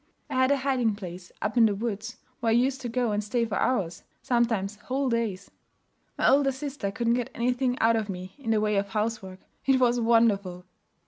I had a hiding place up in the woods, where I used to go and stay for hours, sometimes whole days. My older sister couldn't get anything out of me in the way of housework. It was wonderful.'